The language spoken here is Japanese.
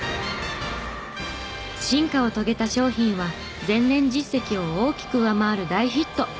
進化を遂げた商品は前年実績を大きく上回る大ヒット。